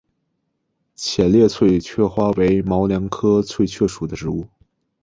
浅裂翠雀花为毛茛科翠雀属的植物。